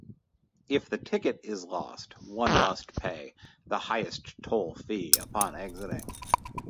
If the ticket is lost, one must pay the highest toll fee upon exiting.